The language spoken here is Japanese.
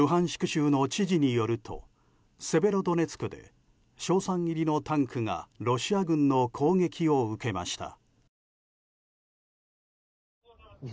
州の知事によるとセベロドネツクで硝酸入りのタンクがロシア軍の攻撃を受けました。